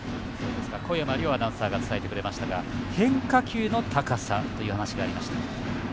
小山凌アナウンサーが伝えてくれましたが変化球の高さという話がありました。